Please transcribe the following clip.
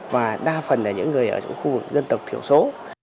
và đa phần là những người ở trong khu vùng cao